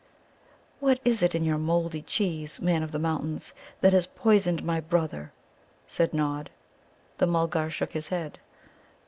"What is it in your mouldy cheese, Man of the Mountains, that has poisoned my brother?" said Nod. The Mulgar shook his head.